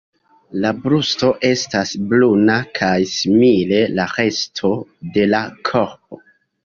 La brusto estas bruna kaj simile la resto de la korpo.